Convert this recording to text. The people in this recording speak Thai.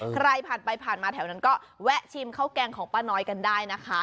ใครผ่านไปผ่านมาแถวนั้นก็แวะชิมข้าวแกงของป้าน้อยกันได้นะคะ